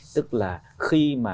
tức là khi mà